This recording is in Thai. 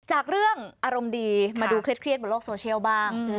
จากเรื่องอารมณ์ดีมาดูเครียดบนโลกโซเชียลบ้าง